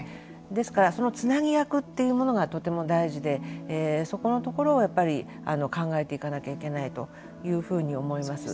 ですからそのつなぎ役というものがとても大事でそこのところを考えていかなきゃいけないというふうに思います。